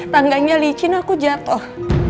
tangganya licin aku jatuh